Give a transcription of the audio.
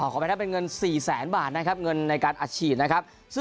ขอแม้อย่างเงิน๔แสนบาทในการอาชีพ